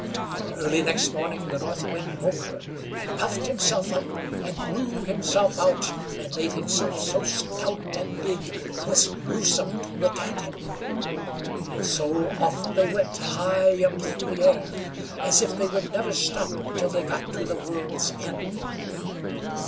Early next morning the North Wind woke her, and puffed himself up, and blew himself out, and made himself so stout and big, 'twas gruesome to look at him; and so off they went high up through the air, as if they would never stop till they got to the world's end.